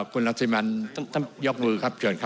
คุณรังสิมรรณยอบมือครับ